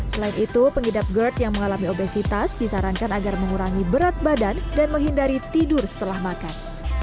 selain itu pengidap gerd yang mengalami obesitas disarankan agar mengurangi berat badan dan menghindari tidur setelah makan